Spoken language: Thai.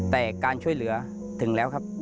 แต่การช่วยเหลือถึงแล้วครับ